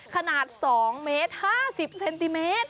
ขนาด๒เมตร๕๐เซนติเมตร